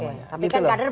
oke tapi kader berantakan